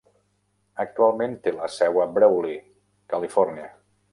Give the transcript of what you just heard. Actualment té la seu a Brawley (Califòrnia).